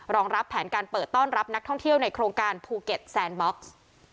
รองรับแผนการเปิดต้อนรับนักท่องเที่ยวในโครงการภูเก็ตแซนบ็อกซ์